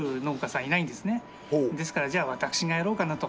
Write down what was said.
ですからじゃあ私がやろうかなと。